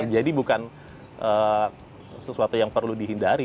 bukan sesuatu yang perlu dihindari